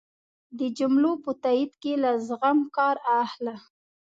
د جملو په تایېد کی له زغم کار اخله